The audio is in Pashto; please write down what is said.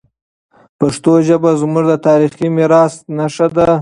پښتو ژبه زموږ د تاریخي میراث نښه ده.